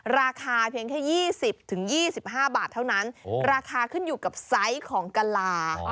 ราคาเพียงแค่๒๐๒๕บาทเท่านั้นราคาขึ้นอยู่กับไซส์ของกะลา